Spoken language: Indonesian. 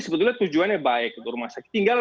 sebetulnya tujuannya baik untuk rumah sakit tinggal